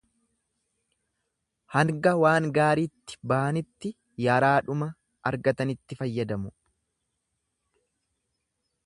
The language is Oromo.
Hanga waan gaariitti ba'anitti yaraadhuma argatanitti fayyadamu.